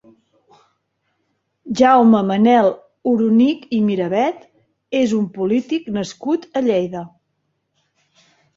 Jaume Manel Oronich i Miravet és un polític nascut a Lleida.